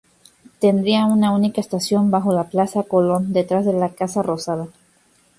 Tendría una única estación bajo la Plaza Colón, detrás de la Casa Rosada.